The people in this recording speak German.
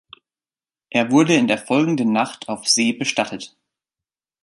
Er wurde in der folgenden Nacht auf See bestattet.